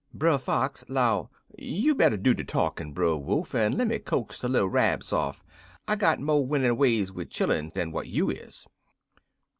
"Brer Fox 'low, 'You better do de talkin', Brer Wolf, en lemme coax de little Rabs off. I got mo' winning ways wid chilluns dan what you is.'